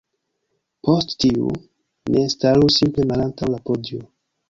Post tiu, ne staru simple malantaŭ la podio